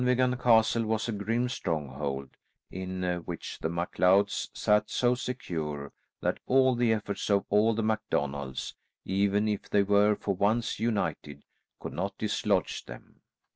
"] Dunvegan Castle was a grim stronghold in which the MacLeods sat so secure that all the efforts of all the MacDonalds, even if they were for once united, could not dislodge them.